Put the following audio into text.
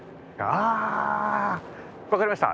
あ分かりました。